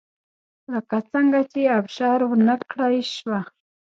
لکه څنګه چې ابشار ونه کړای شوه